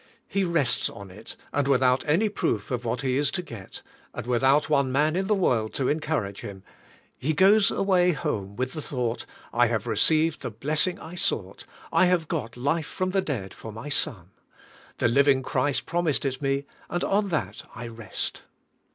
He rests on it, and without any proof of what he is to get, and without one man in the world to encourage him. He goes away home with the thought, "I have received the blessing I TRIUMPH OF FAITH 151 sought; I have got life from the dead for my son. The living Christ promised it me, and on that I rest."